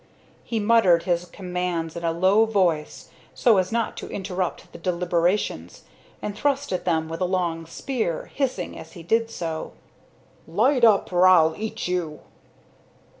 He muttered his commands in a low voice, so as not to interrupt the deliberations, and thrust at them with a long spear, hissing as he did so: "Light up, or I'll eat you!"